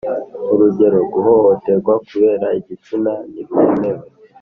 urugero: guhohoterwa kubera igitsina ntibyemewe.